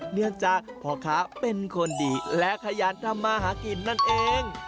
เนื่องจากพ่อค้าเป็นคนดีและขยันทำมาหากินนั่นเอง